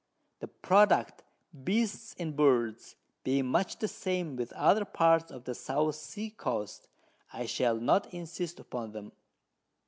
The Product, Beasts and Birds, being much the same with other Parts of the South Sea Coast, I shall not insist upon 'em.